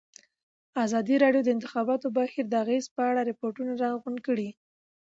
ازادي راډیو د د انتخاباتو بهیر د اغېزو په اړه ریپوټونه راغونډ کړي.